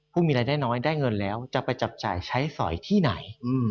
ผู้มีรายได้น้อยได้เงินแล้วจะไปจับจ่ายใช้สอยที่ไหน